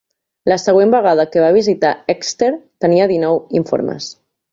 La següent vegada que va visitar Exter, tenia dinou informes.